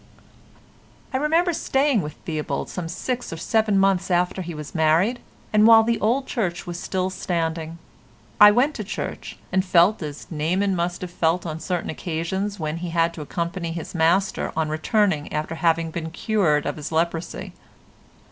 I remember staying with Theobald some six or seven months after he was married, and while the old church was still standing. I went to church, and felt as Naaman must have felt on certain occasions when he had to accompany his master on his return after having been cured of his leprosy.